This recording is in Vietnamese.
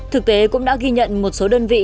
thực tế cũng đã ghi nhận một số đơn vị